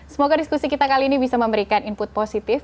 semoga diskusi kita kali ini bisa memberikan input positif